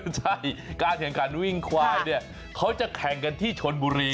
ใช่การแข่งขันวิ่งควายเนี่ยเขาจะแข่งกันที่ชนบุรี